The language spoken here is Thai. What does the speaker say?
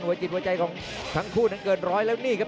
กระโดยสิ้งเล็กนี่ออกกันขาสันเหมือนกันครับ